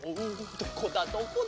どこだどこだ？